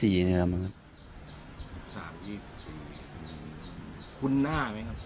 ๒๓๒๔คุณหน้าไหมครับ